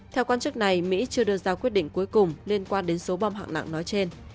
theo quan chức này mỹ chưa đưa ra quyết định cuối cùng liên quan đến số bom hạng nặng nói trên